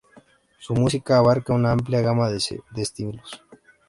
Su música abarca una amplia gama de estilos.